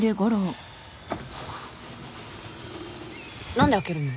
何で開けるの？